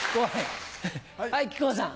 はい木久扇さん。